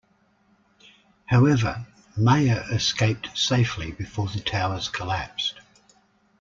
However, Mayer escaped safely before the towers collapsed.